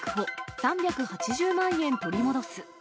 ３８０万円取り戻す。